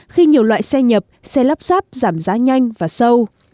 khi nhiều loại xe nhập xe lắp ráp giảm giá nhanh và sâu